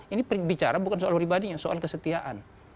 ini bicara bukan soal pribadinya soal kesetiaan